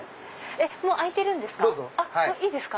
もう開いてるんですか？